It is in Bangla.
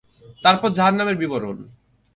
তারপর জাহান্নামের বিবরণ।